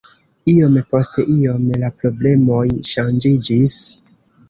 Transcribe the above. Iom post iom la problemoj ŝanĝiĝis.